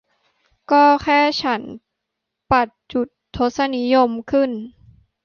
ก็แค่ฉันปัดจุดทศนิยมขึ้น